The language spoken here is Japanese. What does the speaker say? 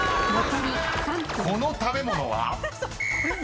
［この食べ物は？］